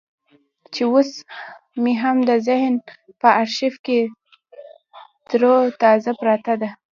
چې اوس مې هم د ذهن په ارشيف کې ترو تازه پرته ده.